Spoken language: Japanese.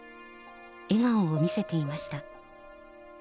笑顔を見せていました。